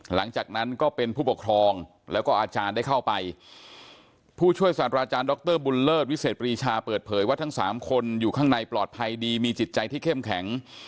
หลังจากนั้นก็เป็นผู้ปกครองแล้วก็อาจารย์ได้เข้าไปผู้ช่วยศาสตราจารย์ดรบุญเลิศวิเศษปรีชาเปิดเผยว่าทั้งสามคนอยู่ข้างในปลอดภัยดีมีจิตใจที่เข้มแข็ง